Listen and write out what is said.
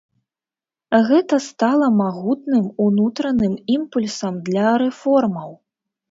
Гэта стала магутным унутраным імпульсам для рэформаў.